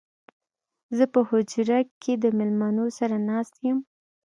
زه په حجره کې د مېلمنو سره ناست يم